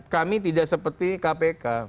kami tidak seperti kpk